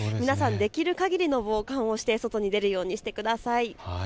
皆さん、できるかぎりの防寒をして外に出るようにしてください。